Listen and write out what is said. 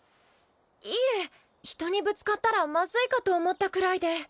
いえ人にぶつかったらまずいかと思ったくらいで。